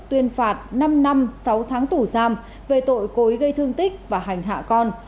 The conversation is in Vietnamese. tuyên phạt năm năm sáu tháng tù giam về tội cối gây thương tích và hành hạ con